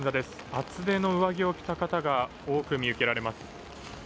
厚手の上着を着た方が多く見られます。